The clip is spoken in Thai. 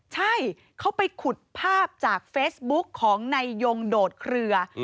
ใช่เขาไปขุดภาพจากเฟซบุ๊กของนายยงโดดเคลือ